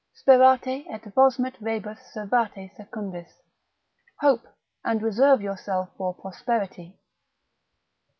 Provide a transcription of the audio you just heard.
Sperate et vosmet rebus servate secundis. Hope, and reserve yourself for prosperity.